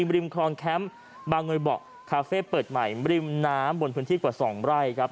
ริมคลองแคมป์บางเยยเบาะคาเฟ่เปิดใหม่ริมน้ำบนพื้นที่กว่า๒ไร่ครับ